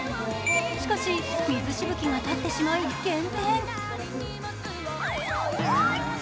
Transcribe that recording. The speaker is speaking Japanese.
しかし、水しぶきが立ってしまい減点。